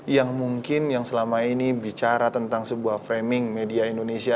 yang mungkin yang selama ini bicara tentang sebuah framing media indonesia